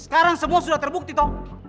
sekarang semua sudah terbukti toh